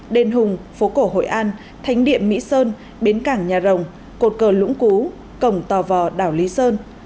đền hùng phố cổ hội an thánh địa mỹ sơn bến cảng nhà rồng cột cờ lũng cú cổng tò vò đảo lý sơn